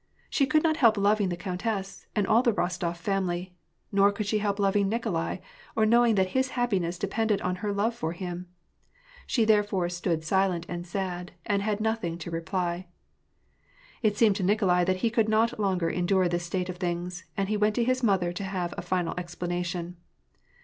She could not help loving the countess, and all the Rostof family : nor could she help loving Nikolai, or knowing that his happiness depended on her love for Mm. She therefore stood silent and sad, and had nothing to reply. It seemed to Nikolai that he could not longer endure this state of things ; and he went to his mother to have a final explanation.